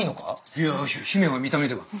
いや姫は見た目では。